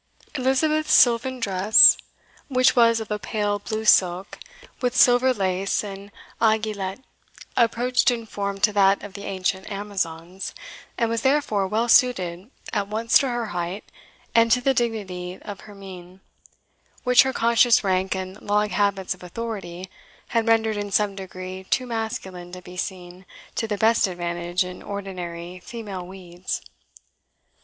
Elizabeth's silvan dress, which was of a pale blue silk, with silver lace and AIGUILLETTES, approached in form to that of the ancient Amazons, and was therefore well suited at once to her height and to the dignity of her mien, which her conscious rank and long habits of authority had rendered in some degree too masculine to be seen to the best advantage in ordinary female weeds.